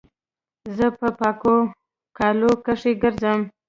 زه په پاکو کالو کښي ګرځم.